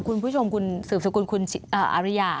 คุณผู้ชมคุณสืบสกุลคุณอาริยา